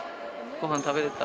ごはん食べれた？